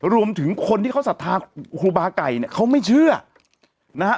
รวมถึงคนที่เขาศรัทธาครูบาไก่เนี่ยเขาไม่เชื่อนะฮะ